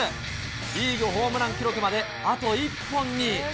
リーグホームラン記録まであと１本に。